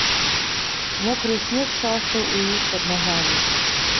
Мокры снег шастаў у іх пад нагамі.